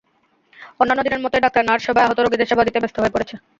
অন্যান্য দিনের মতোই ডাক্তার-নার্স সবাই আহত রোগীদের সেবা দিতে ব্যস্ত হয়ে পড়েছে।